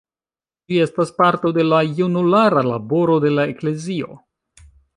Ĝi estas parto de la junulara laboro de la eklezio.